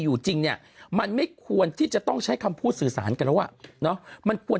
อยู่จริงเนี่ยมันไม่ควรที่จะต้องใช้คำพูดสื่อสารกันแล้วอ่ะเนาะมันควร